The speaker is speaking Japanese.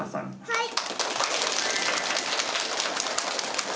はい！